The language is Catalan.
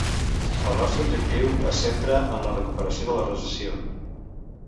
El nostre objectiu es centra en la recuperació de la recessió.